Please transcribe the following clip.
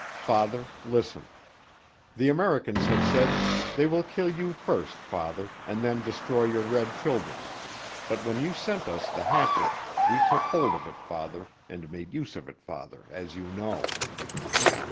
"Father Listen. The Americans have said they would kill you first Father, and then destroy your red children; but when you sent us the hatchet we took hold of it Father and made use of it Father, as you know.